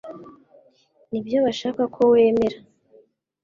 Nibyo bashaka ko wemera.